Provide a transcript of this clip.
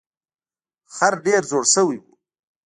خر ډیر زوړ شوی و.